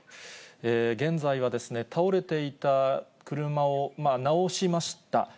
現在は倒れていた車を直しました。